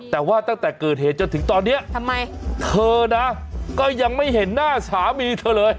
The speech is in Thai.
แต่ว่าตั้งแต่เกิดเหตุจนถึงตอนนี้ทำไมเธอนะก็ยังไม่เห็นหน้าสามีเธอเลย